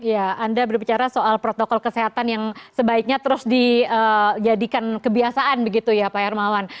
ya anda berbicara soal protokol kesehatan yang sebaiknya terus dijadikan kebiasaan begitu ya pak hermawan